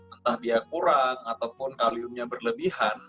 entah dia kurang ataupun kaliumnya berlebihan